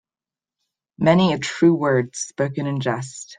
Many a true word spoken in jest.